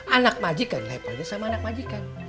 anak majikan levelnya sama anak majikan